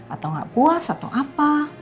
atau nggak puas atau apa